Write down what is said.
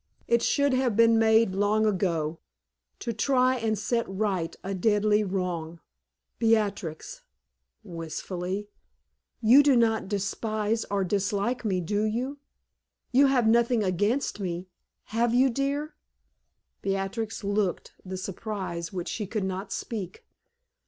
It should have been made long ago, to try and set right a deadly wrong. Beatrix," wistfully "you do not despise or dislike me, do you? You have nothing against me, have you, dear?" Beatrix looked the surprise which she could not speak.